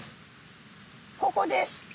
ここです。